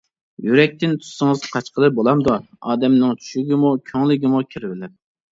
يۈرەكتىن تۇتسىڭىز قاچقىلى بولامدۇ؟ ئادەمنىڭ چۈشىگىمۇ كۆڭلىگىمۇ كېرىۋېلىپ.